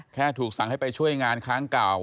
ถูกสั่งให้ไปช่วยงานค้างเก่า